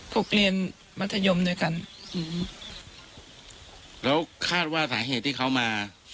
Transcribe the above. เรียนมัธยมด้วยกันอืมแล้วคาดว่าสาเหตุที่เขามา